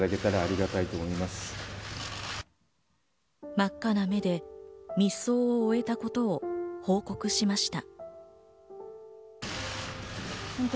真っ赤な目で密葬を終えたことを報告しました。